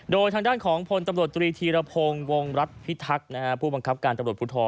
โดยทางด้านของพลตำรวจตรีธีรพงศ์วงรัฐพิทักษ์ผู้บังคับการตำรวจภูทร